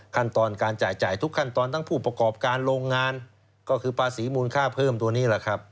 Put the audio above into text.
ขั้นตอนการจ่ายทุกขั้นตอนทั้งผู้ประกอบการโรงงานก็คือภาษีมูลค่าเพิ่มตัวนี้แหละครับ